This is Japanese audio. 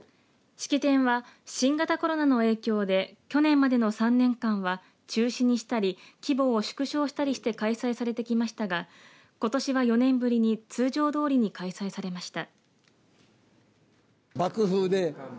式典は、新型コロナの影響で去年までの３年間は中止にしたり規模を縮小したりして開催されてきましたがことしは４年ぶりに通常どおりに開催されました。